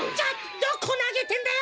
どこなげてんだよ！